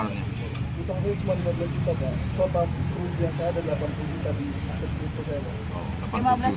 hutangnya cuma lima belas juta total sepuluh juta saya ada delapan puluh juta